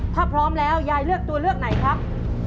ถ้าพร้อมแล้วยายเลือกตัวเลือกไหนครับ